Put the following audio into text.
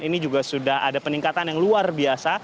ini juga sudah ada peningkatan yang luar biasa